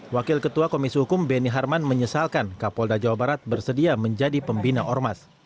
wakil ketua komisi hukum beni harman menyesalkan kapolda jawa barat bersedia menjadi pembina ormas